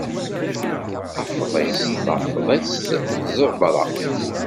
Afḍis, tafḍist, ẓẓebra.